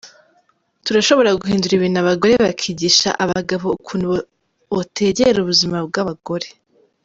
Turashobora guhindura ibintu abagore bakigisha abagabo ukuntu botegera ubuzima bw'abagore.